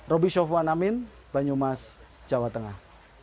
roby shofuan amin banyumas jawa tengah